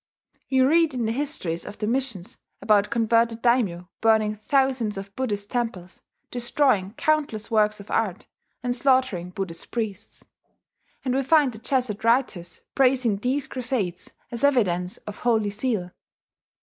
We read in the histories of the missions about converted daimyo burning thousands of Buddhist temples, destroying countless works of art, and slaughtering Buddhist priests; and we find the Jesuit writers praising these crusades as evidence of holy zeal.